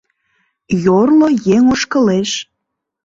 Йорло еҥ ошкылеш